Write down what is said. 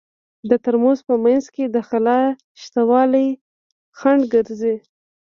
د ترموز په منځ کې د خلاء شتوالی خنډ ګرځي.